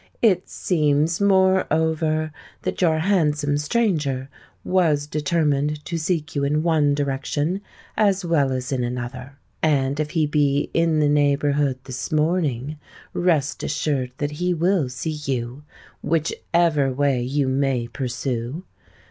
"It seems, moreover, that your handsome stranger was determined to seek you in one direction, as well as in another; and if he be in the neighbourhood this morning, rest assured that he will see you—whichever way you may pursue.